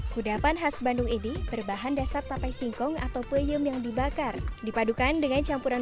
kudapan khas bandung ini berbahan dasar tapai singkong atau peyem yang dibakar dipadukan dengan campuran